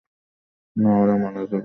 না, ওরা মারা যাবে।